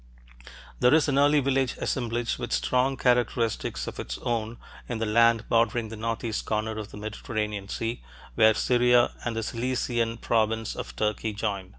There is an early village assemblage with strong characteristics of its own in the land bordering the northeast corner of the Mediterranean Sea, where Syria and the Cilician province of Turkey join.